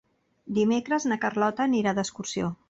Dimecres na Carlota anirà d'excursió.